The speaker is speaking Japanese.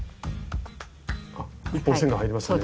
あっ１本線が入りましたね。